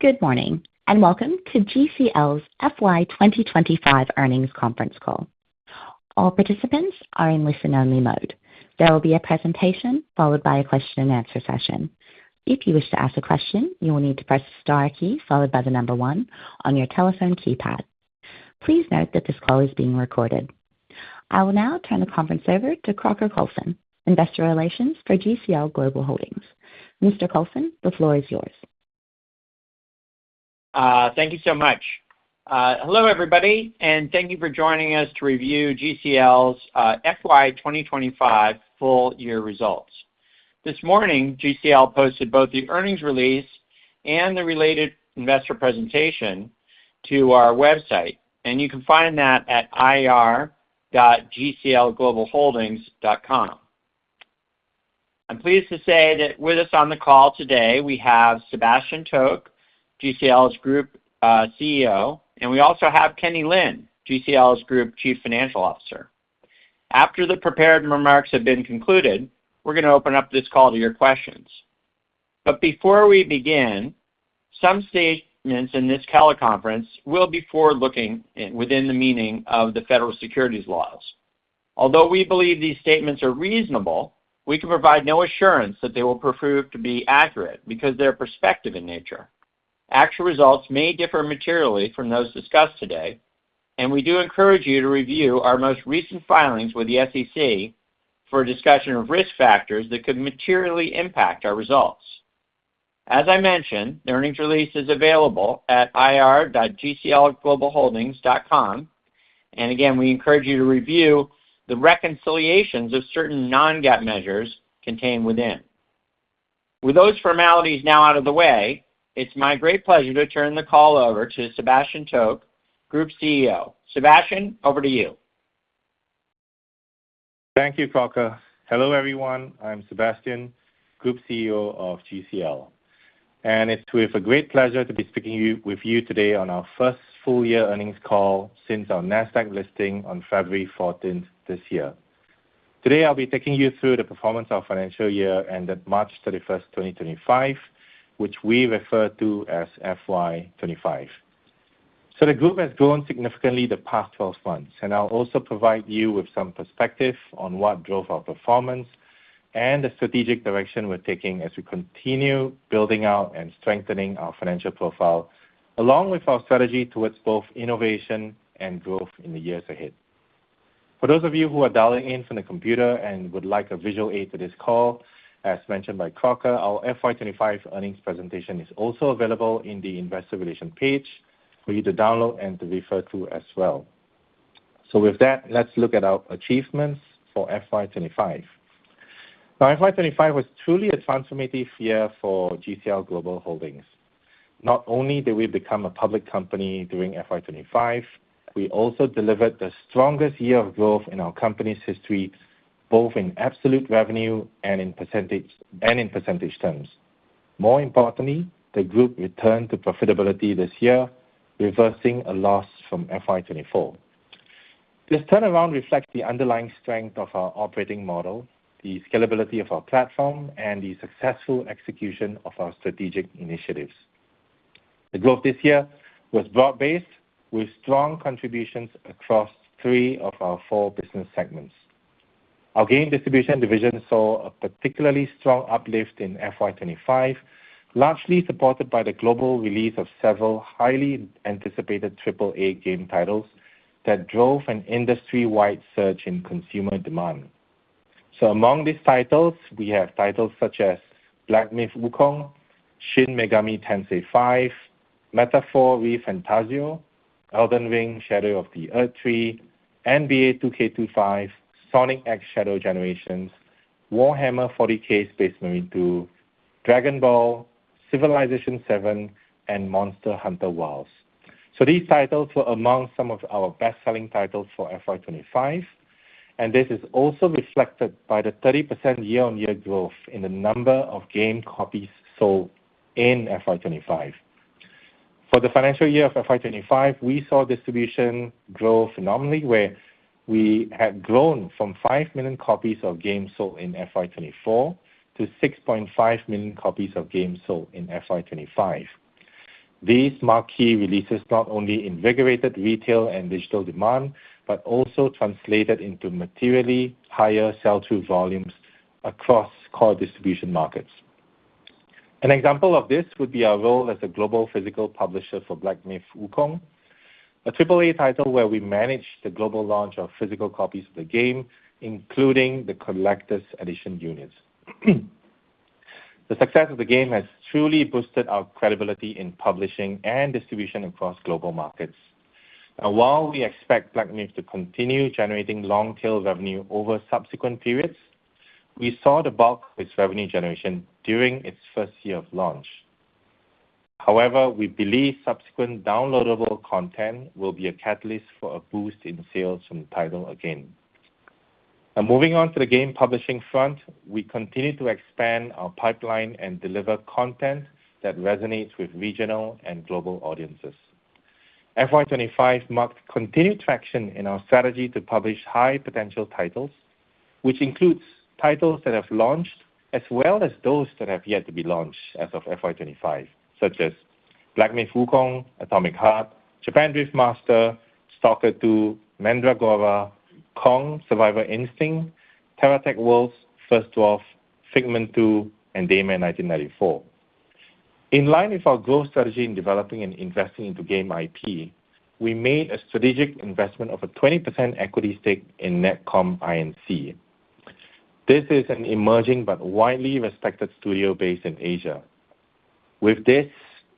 Good morning and welcome to GCL's FY 2025 earnings conference call. All participants are in listen-only mode. There will be a presentation followed by a question-and-answer session. If you wish to ask a question, you will need to press the star key followed by the number one on your telephone keypad. Please note that this call is being recorded. I will now turn the conference over to Crocker Coulson, Investor Relations for GCL Global Holdings. Mr. Coulson, the floor is yours. Thank you so much. Hello, everybody, and thank you for joining us to review GCL's FY 2025 full-year results. This morning, GCL posted both the earnings release and the related investor presentation to our website, and you can find that at ir.gclglobalholdings.com. I'm pleased to say that with us on the call today, we have Sebastian Toke, GCL's Group CEO, and we also have Kenny Lin, GCL's Group Chief Financial Officer. After the prepared remarks have been concluded, we're going to open up this call to your questions. But before we begin, some statements in this teleconference will be forward-looking within the meaning of the federal securities laws. Although we believe these statements are reasonable, we can provide no assurance that they will prove to be accurate because they're prospective in nature. Actual results may differ materially from those discussed today, and we do encourage you to review our most recent filings with the SEC for a discussion of risk factors that could materially impact our results. As I mentioned, the earnings release is available at ir.gclglobalholdings.com. And again, we encourage you to review the reconciliations of certain non-GAAP measures contained within. With those formalities now out of the way, it's my great pleasure to turn the call over to Sebastian Toke, Group CEO. Sebastian, over to you. Thank you, Crocker. Hello, everyone. I'm Sebastian, Group CEO of GCL, and it's with a great pleasure to be speaking with you today on our first full-year earnings call since our NASDAQ listing on February 14th this year. Today, I'll be taking you through the performance of our financial year ended March 31st, 2025, which we refer to as FY25, so the group has grown significantly the past 12 months, and I'll also provide you with some perspective on what drove our performance and the strategic direction we're taking as we continue building out and strengthening our financial profile, along with our strategy towards both innovation and growth in the years ahead. For those of you who are dialing in from the computer and would like a visual aid to this call, as mentioned by Crocker, our FY 25 earnings presentation is also available in the investor relations page for you to download and to refer to as well. So with that, let's look at our achievements for FY 25. Now, FY 25 was truly a transformative year for GCL Global Holdings. Not only did we become a public company during FY 25, we also delivered the strongest year of growth in our company's history, both in absolute revenue and in percentage terms. More importantly, the group returned to profitability this year, reversing a loss from FY 24. This turnaround reflects the underlying strength of our operating model, the scalability of our platform, and the successful execution of our strategic initiatives. The growth this year was broad-based, with strong contributions across three of our four business segments. Our game distribution division saw a particularly strong uplift in FY 25, largely supported by the global release of several highly anticipated AAA game titles that drove an industry-wide surge in consumer demand. So among these titles, we have titles such as Black Myth: Wukong, Shin Megami Tensei V, Metaphor: ReFantazio, Elden Ring: Shadow of the Erdtree, NBA 2K25, Sonic X Shadow Generations, Warhammer 40K: Space Marine 2, Dragon Ball, Civilization VII, and Monster Hunter Wilds. So these titles were among some of our best-selling titles for FY 25, and this is also reflected by the 30% year-on-year growth in the number of game copies sold in FY 25. For the financial year of FY 25, we saw distribution grow phenomenally, where we had grown from five million copies of games sold in FY 24 to 6.5 million copies of games sold in FY 25. These marquee releases not only invigorated retail and digital demand but also translated into materially higher sell-through volumes across core distribution markets. An example of this would be our role as a global physical publisher for Black Myth: Wukong, a AAA title where we managed the global launch of physical copies of the game, including the collector's edition units. The success of the game has truly boosted our credibility in publishing and distribution across global markets. Now, while we expect Black Myth to continue generating long-tail revenue over subsequent periods, we saw the bulk of its revenue generation during its first year of launch. However, we believe subsequent downloadable content will be a catalyst for a boost in sales from the title again. Now, moving on to the game publishing front, we continue to expand our pipeline and deliver content that resonates with regional and global audiences. FY 25 marked continued traction in our strategy to publish high-potential titles, which includes titles that have launched as well as those that have yet to be launched as of FY 25, such as Black Myth: Wukong, Atomic Heart, JDM: Japanese Drift Master, S.T.A.L.K.E.R. 2: Heart of Chornobyl, Mandragora, Kong: Survivor Instinct, TerraTech Worlds, First Dwarf, Figment 2, and Daymare: 1994 Sandcastle. In line with our growth strategy in developing and investing into game IP, we made a strategic investment of a 20% equity stake in NEKCOM. This is an emerging but widely respected studio based in Asia. With this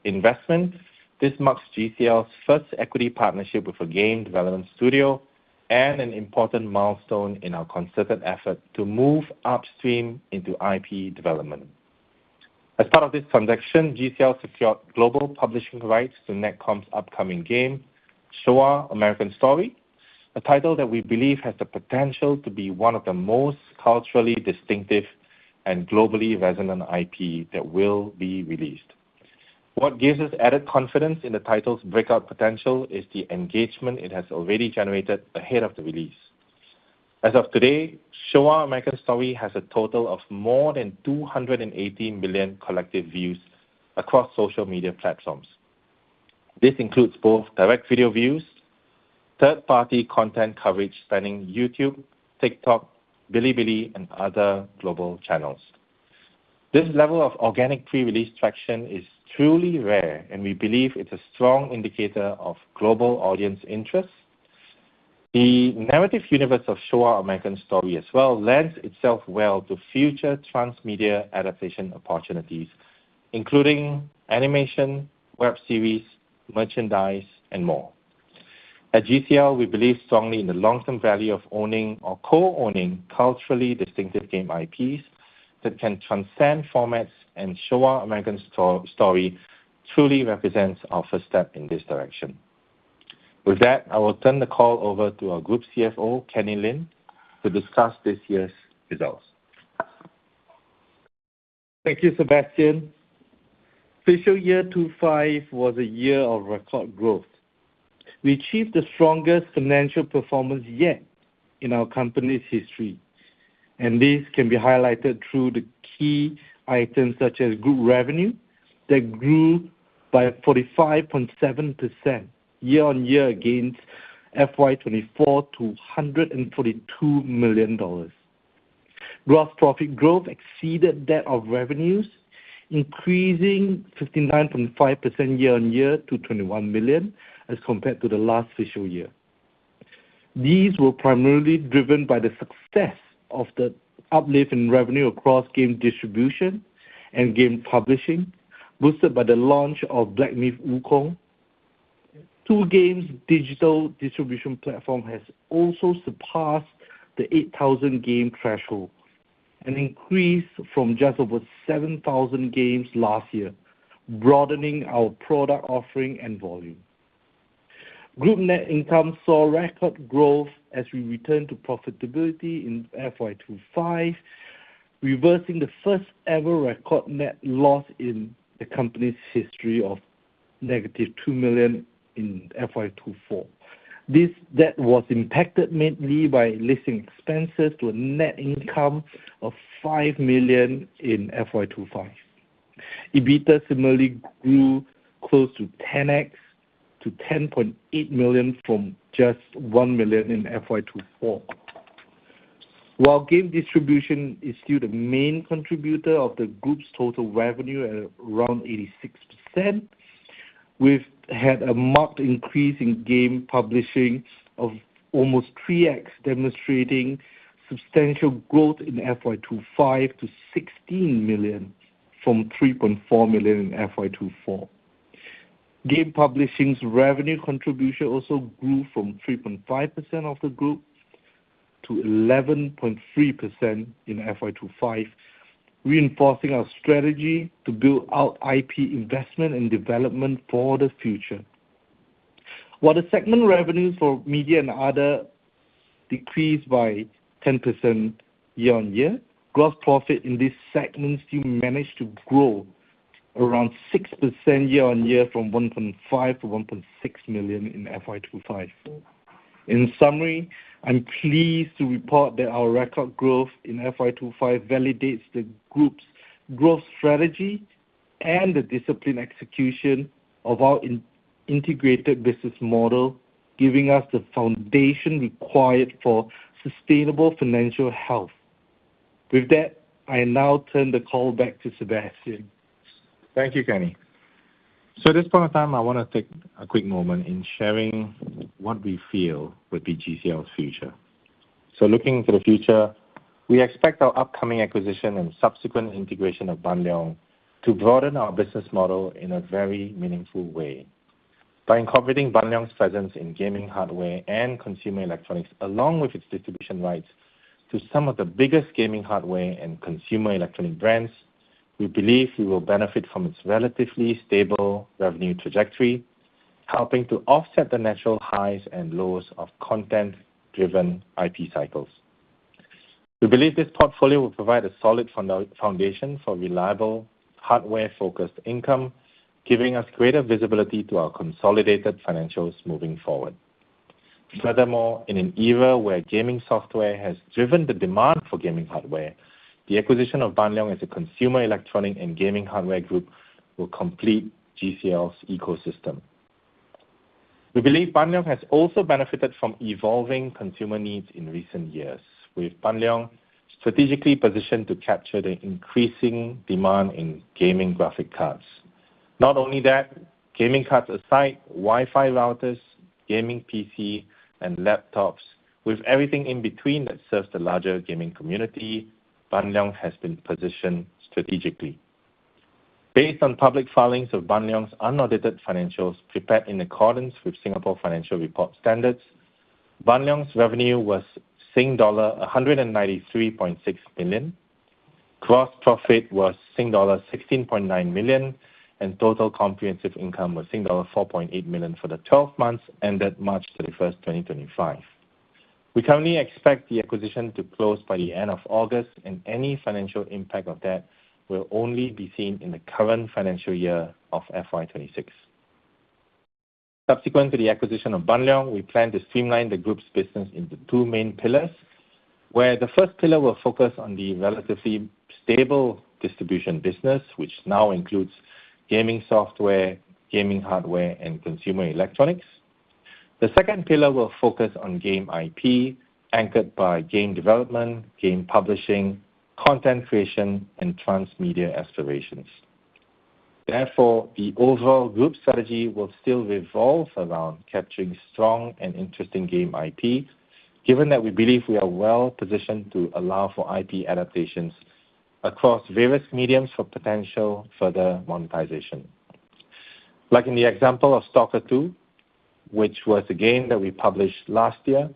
investment, this marks GCL's first equity partnership with a game development studio and an important milestone in our concerted effort to move upstream into IP development. As part of this transaction, GCL secured global publishing rights to NEKCOM's upcoming game, Showa: American Story, a title that we believe has the potential to be one of the most culturally distinctive and globally resonant IPs that will be released. What gives us added confidence in the title's breakout potential is the engagement it has already generated ahead of the release. As of today, Showa: American Story has a total of more than 280 million collective views across social media platforms. This includes both direct video views and third-party content coverage spanning YouTube, TikTok, Bilibili, and other global channels. This level of organic pre-release traction is truly rare, and we believe it's a strong indicator of global audience interest. The narrative universe of Showa: American Story as well lends itself well to future transmedia adaptation opportunities, including animation, web series, merchandise, and more. At GCL, we believe strongly in the long-term value of owning or co-owning culturally distinctive game IPs that can transcend formats, and Showa: American Story truly represents our first step in this direction. With that, I will turn the call over to our Group CFO, Kenny Lin, to discuss this year's results. Thank you, Sebastian. Fiscal Year 2025 was a year of record growth. We achieved the strongest financial performance yet in our company's history, and this can be highlighted through the key items such as group revenue that grew by 45.7% year-on-year against FY 2024 to $142 million. Gross profit growth exceeded that of revenues, increasing 59.5% year-on-year to $21 million as compared to the last fiscal year. These were primarily driven by the success of the uplift in revenue across game distribution and game publishing, boosted by the launch of Black Myth: Wukong. 2Game's digital distribution platform has also surpassed the 8,000-game threshold, an increase from just over 7,000 games last year, broadening our product offering and volume. Group net income saw record growth as we returned to profitability in FY 2025, reversing the first-ever record net loss in the company's history of negative $2 million in FY 2024. The net was impacted mainly by listing expenses to a net income of $5 million in FY 25. EBITDA similarly grew close to 10X to $10.8 million from just $1 million in FY 24. While game distribution is still the main contributor of the group's total revenue at around 86%, we had a marked increase in game publishing of almost 3X, demonstrating substantial growth in FY 25 to $16 million from $3.4 million in FY 24. Game publishing's revenue contribution also grew from 3.5% of the group to 11.3% in FY 25, reinforcing our strategy to build out IP investment and development for the future. While the segment revenues for media and other decreased by 10% year-on-year, gross profit in these segments still managed to grow around 6% year-on-year from $1.5 to $1.6 million in FY 25. In summary, I'm pleased to report that our record growth in FY 25 validates the group's growth strategy and the disciplined execution of our integrated business model, giving us the foundation required for sustainable financial health. With that, I now turn the call back to Sebastian. Thank you, Kenny. So at this point in time, I want to take a quick moment in sharing what we feel would be GCL's future. So looking to the future, we expect our upcoming acquisition and subsequent integration of Ban Leong to broaden our business model in a very meaningful way. By incorporating Ban Leong's presence in gaming hardware and consumer electronics, along with its distribution rights to some of the biggest gaming hardware and consumer electronic brands, we believe we will benefit from its relatively stable revenue trajectory, helping to offset the natural highs and lows of content-driven IP cycles. We believe this portfolio will provide a solid foundation for reliable hardware-focused income, giving us greater visibility to our consolidated financials moving forward. Furthermore, in an era where gaming software has driven the demand for gaming hardware, the acquisition of Ban Leong as a consumer electronic and gaming hardware group will complete GCL's ecosystem. We believe Ban Leong has also benefited from evolving consumer needs in recent years, with Ban Leong strategically positioned to capture the increasing demand in gaming graphic cards. Not only that, gaming cards aside, Wi-Fi routers, gaming PCs, and laptops, with everything in between that serves the larger gaming community, Ban Leong has been positioned strategically. Based on public filings of Ban Leong's unaudited financials prepared in accordance with Singapore Financial Reporting Standards, Ban Leong's revenue was $193.6 million, gross profit was $16.9 million, and total comprehensive income was $4.8 million for the 12 months ended March 31st, 2025. We currently expect the acquisition to close by the end of August, and any financial impact of that will only be seen in the current financial year of FY 26. Subsequent to the acquisition of Ban Leong, we plan to streamline the group's business into two main pillars, where the first pillar will focus on the relatively stable distribution business, which now includes gaming software, gaming hardware, and consumer electronics. The second pillar will focus on game IP, anchored by game development, game publishing, content creation, and transmedia aspirations. Therefore, the overall group strategy will still revolve around capturing strong and interesting game IP, given that we believe we are well positioned to allow for IP adaptations across various mediums for potential further monetization. Like in the example of S.T.A.L.K.E.R. 2, which was a game that we published last year,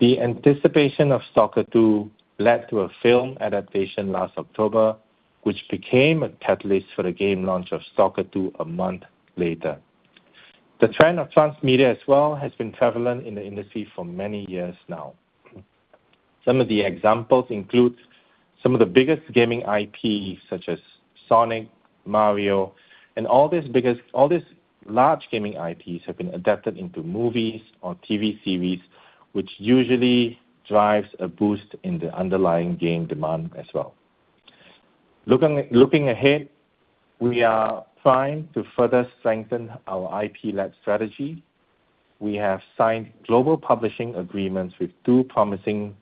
the anticipation of S.T.A.L.K.E.R. 2 led to a film adaptation last October, which became a catalyst for the game launch of S.T.A.L.K.E.R. 2 a month later. The trend of transmedia as well has been prevalent in the industry for many years now. Some of the examples include some of the biggest gaming IPs, such as Sonic, Mario, and all these large gaming IPs have been adapted into movies or TV series, which usually drives a boost in the underlying game demand as well. Looking ahead, we are trying to further strengthen our IP lab strategy. We have signed global publishing agreements with two promising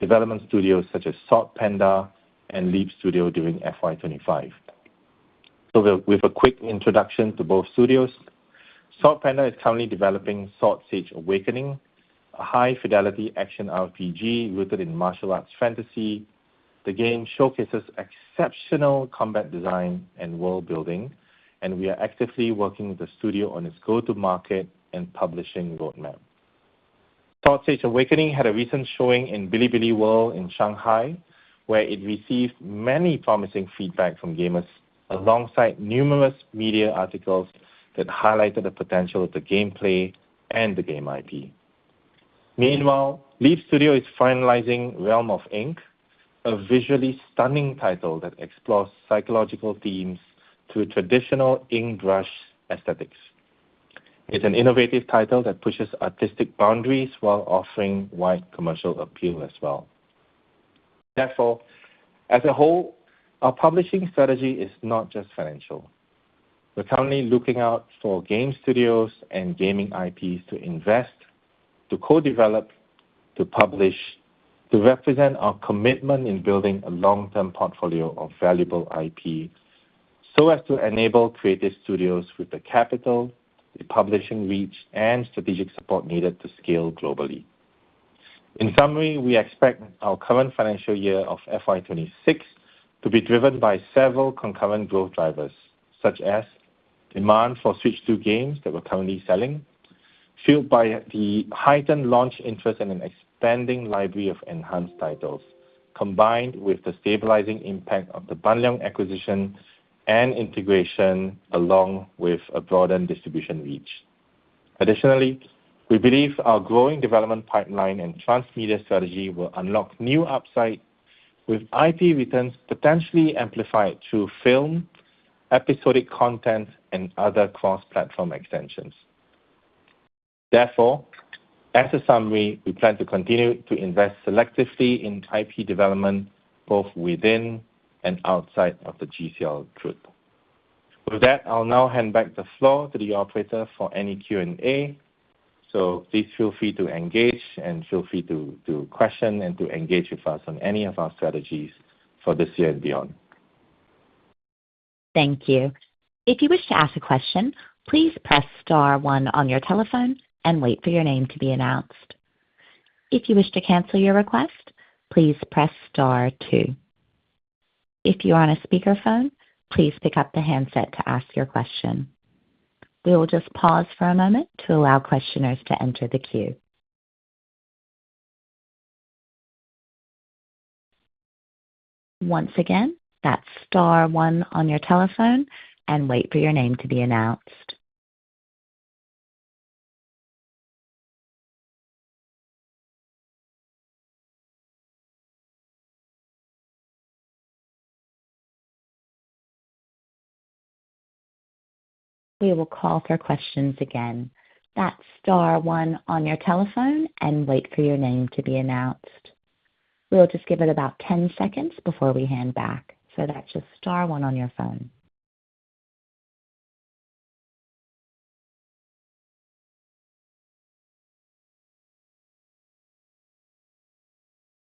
development studios, such as Swordman and Leap Studio, during FY 25. So with a quick introduction to both studios, Swordman Studio is currently developing The Swordsmen X, a high-fidelity action RPG rooted in martial arts fantasy. The game showcases exceptional combat design and worldbuilding, and we are actively working with the studio on its go-to-market and publishing roadmap. The Swordsmen X had a recent showing in Bilibili World in Shanghai, where it received many promising feedback from gamers alongside numerous media articles that highlighted the potential of the gameplay and the game IP. Meanwhile, Leap Studio is finalizing Realm of Ink, a visually stunning title that explores psychological themes through traditional ink brush aesthetics. It's an innovative title that pushes artistic boundaries while offering wide commercial appeal as well. Therefore, as a whole, our publishing strategy is not just financial. We're currently looking out for game studios and gaming IPs to invest, to co-develop, to publish, to represent our commitment in building a long-term portfolio of valuable IP so as to enable creative studios with the capital, the publishing reach, and strategic support needed to scale globally. In summary, we expect our current financial year of FY 26 to be driven by several concurrent growth drivers, such as demand for Switch 2 games that we're currently selling, fueled by the heightened launch interest and an expanding library of enhanced titles, combined with the stabilizing impact of the Ban Leong acquisition and integration, along with a broadened distribution reach. Additionally, we believe our growing development pipeline and transmedia strategy will unlock new upside, with IP returns potentially amplified through film, episodic content, and other cross-platform extensions. Therefore, as a summary, we plan to continue to invest selectively in IP development both within and outside of the GCL group. With that, I'll now hand back the floor to the operator for any Q&A. So please feel free to engage and feel free to question and to engage with us on any of our strategies for this year and beyond. Thank you. If you wish to ask a question, please press Star 1 on your telephone and wait for your name to be announced. If you wish to cancel your request, please press Star 2. If you are on a speakerphone, please pick up the handset to ask your question. We will just pause for a moment to allow questioners to enter the queue. Once again, that's Star 1 on your telephone and wait for your name to be announced. We will call for questions again. That's Star 1 on your telephone and wait for your name to be announced. We'll just give it about 10 seconds before we hand back. So that's just Star 1 on your phone.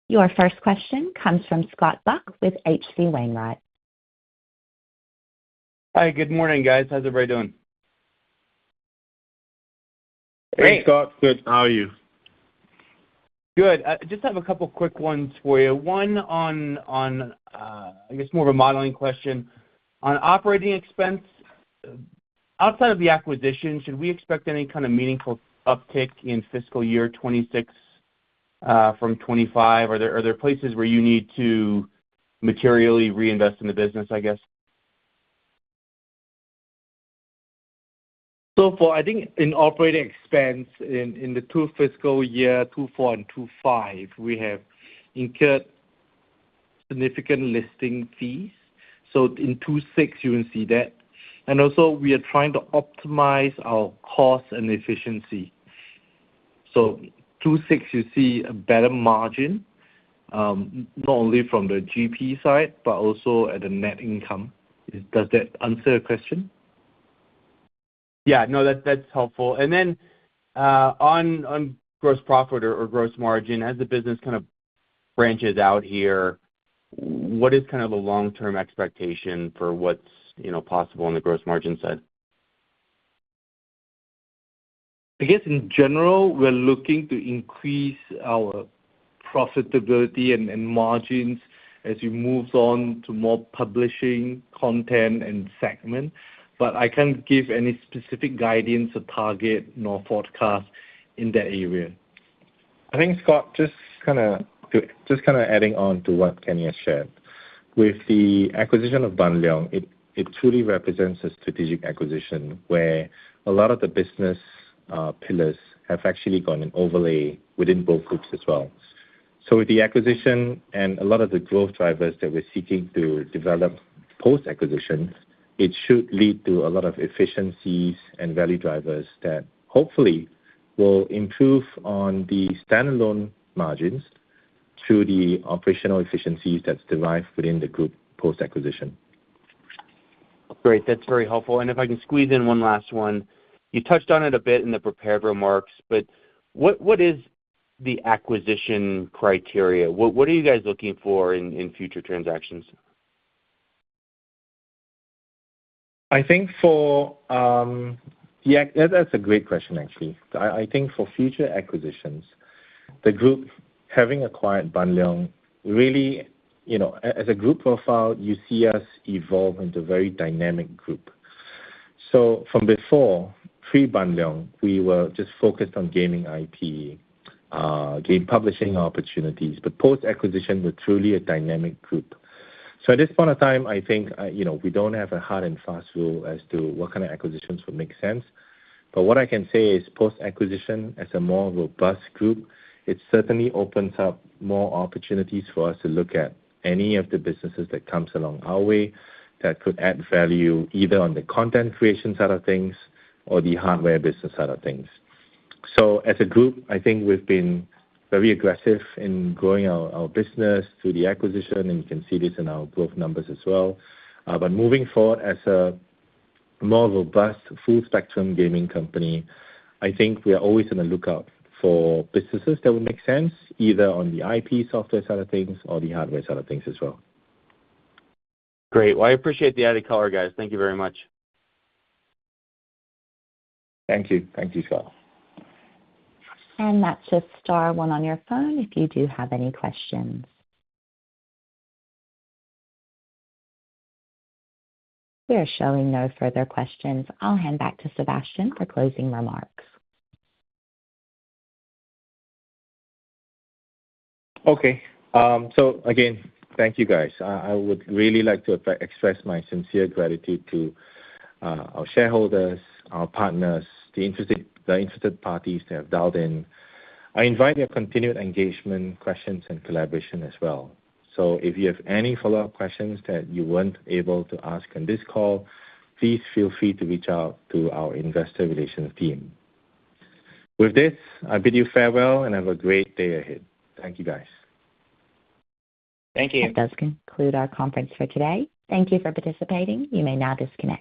Your first question comes from Scott Buck with H.C. Wainwright. Hi. Good morning, guys. How's everybody doing? Hey, Scott. Good. How are you? Good. I just have a couple of quick ones for you. One on, I guess, more of a modeling question. On operating expense, outside of the acquisition, should we expect any kind of meaningful uptick in fiscal year 2026 from 2025? Are there places where you need to materially reinvest in the business, I guess? So far, I think in operating expense in the two fiscal years, 2024 and 2025, we have incurred significant listing fees. So in 2026, you will see that. And also, we are trying to optimize our cost and efficiency. So 2026, you see a better margin, not only from the GP side, but also at the net income. Does that answer your question? Yeah. No, that's helpful. And then on gross profit or gross margin, as the business kind of branches out here, what is kind of the long-term expectation for what's possible on the gross margin side? I guess in general, we're looking to increase our profitability and margins as we move on to more publishing content and segment. But I can't give any specific guidance or target nor forecast in that area. I think, Scott, just kind of adding on to what Kenny has shared. With the acquisition of Ban Leong, it truly represents a strategic acquisition where a lot of the business pillars have actually gone in overlay within both groups as well. So with the acquisition and a lot of the growth drivers that we're seeking to develop post-acquisition, it should lead to a lot of efficiencies and value drivers that hopefully will improve on the standalone margins through the operational efficiencies that's derived within the group post-acquisition. Great. That's very helpful. And if I can squeeze in one last one, you touched on it a bit in the prepared remarks, but what is the acquisition criteria? What are you guys looking for in future transactions? I think, yeah, that's a great question, actually. I think for future acquisitions, the group having acquired Ban Leong, really, as a group profile, you see us evolve into a very dynamic group, so from before, pre-Ban Leong, we were just focused on gaming IP, game publishing opportunities, but post-acquisition was truly a dynamic group, so at this point in time, I think we don't have a hard and fast rule as to what kind of acquisitions would make sense. But what I can say is post-acquisition, as a more robust group, it certainly opens up more opportunities for us to look at any of the businesses that come along our way that could add value either on the content creation side of things or the hardware business side of things. So as a group, I think we've been very aggressive in growing our business through the acquisition, and you can see this in our growth numbers as well. But moving forward, as a more robust full-spectrum gaming company, I think we are always in the lookout for businesses that would make sense either on the IP software side of things or the hardware side of things as well. Great. Well, I appreciate the added color, guys. Thank you very much. Thank you. Thank you, Scott. And that's just Star 1 on your phone if you do have any questions. We are showing no further questions. I'll hand back to Sebastian for closing remarks. Okay, so again, thank you, guys. I would really like to express my sincere gratitude to our shareholders, our partners, the interested parties that have dialed in. I invite your continued engagement, questions, and collaboration as well. So if you have any follow-up questions that you weren't able to ask on this call, please feel free to reach out to our investor relations team. With this, I bid you farewell and have a great day ahead. Thank you, guys. Thank you. That does conclude our conference for today. Thank you for participating. You may now disconnect.